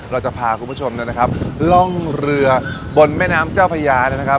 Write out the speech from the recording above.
เราจะพาคุณผู้ชมนะครับล่องเรือบนแม่น้ำเจ้าพญาเนี่ยนะครับ